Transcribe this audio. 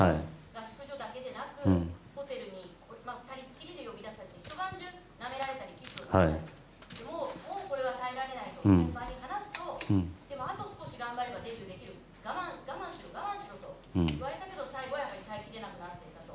合宿所だけでなくホテルで２人きりで呼び出されて一晩中なめられたりキスをされたりもうこれは耐えられないと先輩に話すとあと少し頑張ればデビューできるから我慢しろ、我慢しろと言われたけど最後は耐えきれなくなったと。